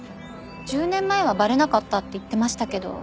１０年前はバレなかったって言ってましたけど